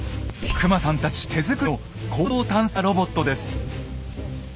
久間さんたち手作りの坑道探査ロボットです。